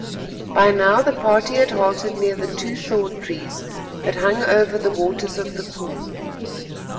By now the party had halted near the two thorn trees that hung over the waters of the pool.